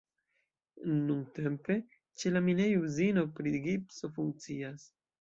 Nuntempe ĉe la minejo uzino pri gipso funkcias.